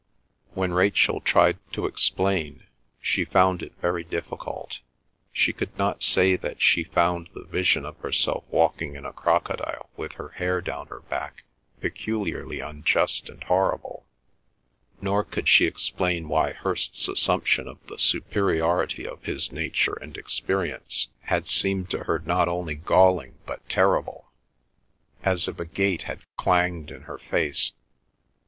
When Rachel tried to explain, she found it very difficult. She could not say that she found the vision of herself walking in a crocodile with her hair down her back peculiarly unjust and horrible, nor could she explain why Hirst's assumption of the superiority of his nature and experience had seemed to her not only galling but terrible—as if a gate had clanged in her face.